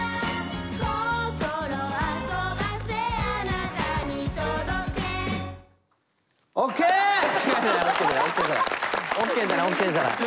「心遊ばせあなたに届け」ＯＫじゃないＯＫじゃない。